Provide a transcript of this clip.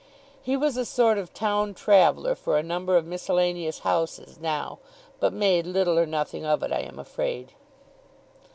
He was a sort of town traveller for a number of miscellaneous houses, now; but made little or nothing of it, I am afraid.